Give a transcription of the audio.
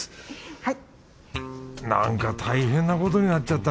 はい。